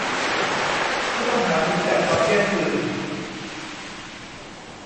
ผู้ต้องหาถูกจับตอนเที่ยงคืน